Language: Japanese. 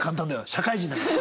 社会人だから。